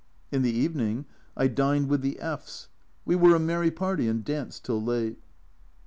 In the evening I dined with the F J ; we were a merry party and danced till late.